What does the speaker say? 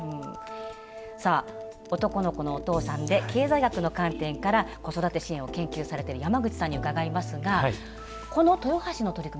さあ男の子のお父さんで経済学の観点から子育て支援を研究されてる山口さんに伺いますがこの豊橋の取り組み